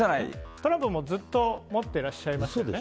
トランプもずっと持ってらっしゃいますよね。